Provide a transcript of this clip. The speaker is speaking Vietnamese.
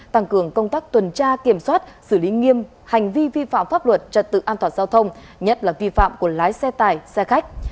tăng cường công tác tuần tra kiểm soát xử lý nghiêm hành vi vi phạm pháp luật trật tự an toàn giao thông nhất là vi phạm của lái xe tải xe khách